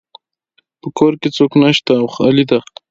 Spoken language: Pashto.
په کور کې څوک نشته او خالی ده